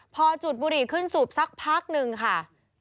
พอจุดบุหรี่ขึ้นสูบสักพักหนึ่งค่ะ